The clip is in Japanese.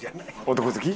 男好き？